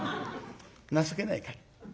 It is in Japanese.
情けないから。